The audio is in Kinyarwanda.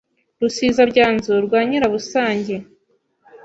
Rusizabyanzu rwa Nyirabusage